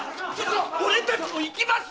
俺たちも行きます！